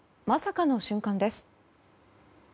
まさかの瞬間です。